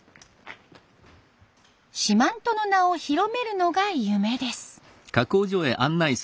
四万十の名を広めるのが夢です。